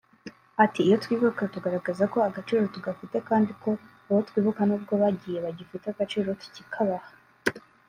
Ati “Iyo twibuka tugaragaza ko agciro tugafite kandi ko abo twibuka n’ubwo bagiye bagifite agaciro tukikabaha